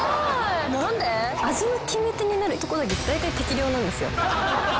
⁉味の決め手になるとこだけだいたい「適量」なんですよ。